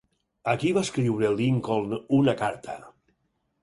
A qui va escriure Lincoln una carta?